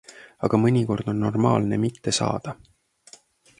Aga mõnikord on normaalne mitte saada.